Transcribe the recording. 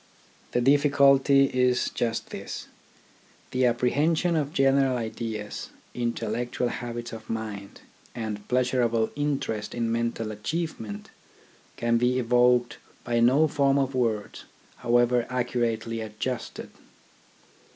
The difficulty is just this : the apprehension of general ideas, intellectual habits of mind, and pleasurable interest in mental achievement can be evoked by no form of words, however accurately adjusted.